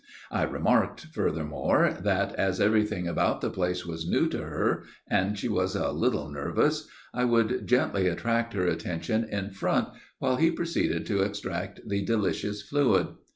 I remarked, furthermore, that, as everything about the place was new to her, and she was a little nervous, I would gently attract her attention in front, while he proceeded to extract the delicious fluid.